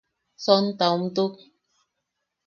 Sontaomtuk.